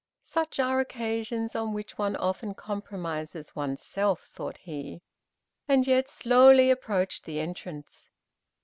"Such are occasions on which one often compromises one's self," thought he, and yet slowly approached the entrance.